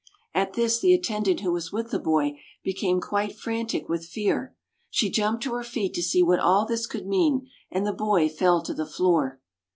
At this, the attendant who was with the boy became quite frantic with fear. She jumped to her feet to see what all this could mean, and the boy fell to the floor.